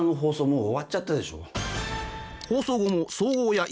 もう終わっちゃったでしょ？